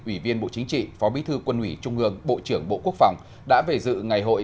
ủy viên bộ chính trị phó bí thư quân ủy trung ương bộ trưởng bộ quốc phòng đã về dự ngày hội